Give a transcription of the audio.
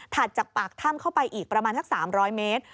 จากปากถ้ำเข้าไปอีกประมาณสัก๓๐๐เมตร